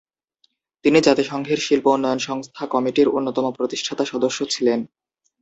তিনি জাতিসংঘের শিল্প উন্নয়ন সংস্থা কমিটির অন্যতম প্রতিষ্ঠাতা সদস্য ছিলেন।